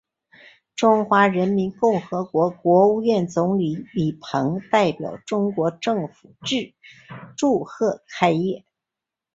中华人民共和国国务院总理李鹏代表中国政府致词祝贺开业。